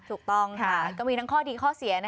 ถูกต้องค่ะก็มีทั้งข้อดีข้อเสีย